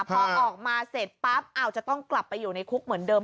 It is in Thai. พอออกมาเสร็จปั๊บจะต้องกลับไปอยู่ในคุกเหมือนเดิม